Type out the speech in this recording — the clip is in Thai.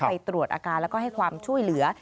ไปตรวจอาการแล้วก็ให้ความช่วยเหลือ